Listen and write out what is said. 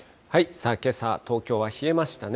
さあ、けさ、東京は冷えましたね。